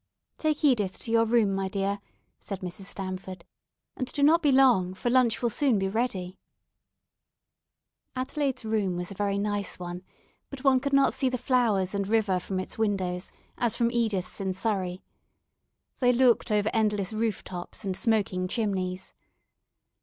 "Take Edith to your room, my dear," said Mrs. Stamford, "and do not be long, for lunch will soon be ready." Adelaide's room was a very nice one, but one could not see the flowers and river from its windows, as from Edith's in Surrey. They looked over endless roof tops and smoking chimneys.